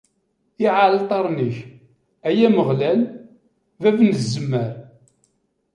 Iɛalṭaren-ik, ay Ameɣlal, bab n tzemmar.